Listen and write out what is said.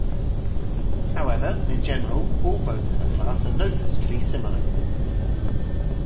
However, in general, all boats of a class are noticeably similar.